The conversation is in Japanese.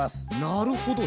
なるほど。